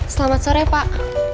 selamat sore pak